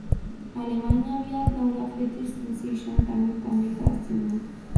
Alemanya aviat n’haurà fetes cent seixanta mil també cada setmana.